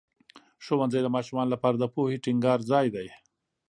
ښوونځی د ماشومانو لپاره د پوهې ټینګار ځای دی.